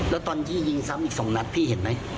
แล้วตอนที่ยิงซ้ำอีก๒นัดพี่เห็นไหม